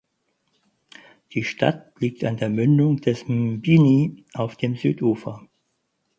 Die Stadt liegt an der Mündung des Mbini auf dem Südufer.